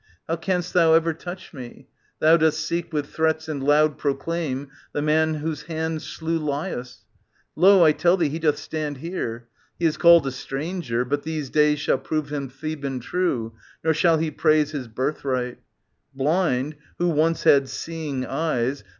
How canst thou ever touch me ?— Thou dost seek With threats and loud proclaim the man whose hand Slew Laius. Lo, I tell thee, he doth stand Here. He is called a stranger, but these days Shall prove him Theban true, nor shall he praise His birthright. Blind, who once had seeing eyes.